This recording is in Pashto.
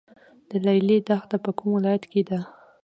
د لیلی دښته په کوم ولایت کې ده؟